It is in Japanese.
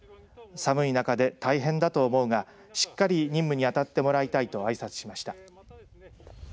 寒い中で大変だと思うがしっかり任務にあたってもらいたいとあいさつしました。